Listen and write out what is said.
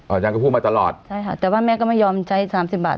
อาจารย์ก็พูดมาตลอดใช่ค่ะแต่ว่าแม่ก็ไม่ยอมใช้สามสิบบาท